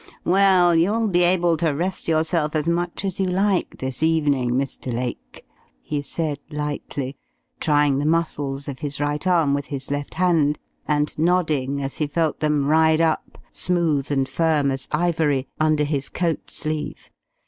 "Well, you'll be able to rest yourself as much as you like this evening, Mr. Lake," he said, lightly, trying the muscles of his right arm with his left hand, and nodding as he felt them ride up, smooth and firm as ivory, under his coat sleeve.